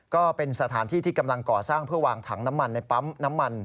ก็เป็นสถานที่ที่กำลังก่อสร้างเพื่อวางถังน้ำมันในปั๊มน้ำมัน